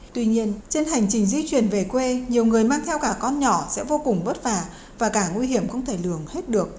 tuy nhiên trên hành trình di chuyển về quê nhiều người mang theo cả con nhỏ sẽ vô cùng vất vả và cả nguy hiểm không thể lường hết được